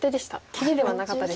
切りではなかったです。